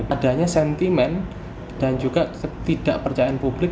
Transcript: adanya sentimen dan juga ketidakpercayaan publik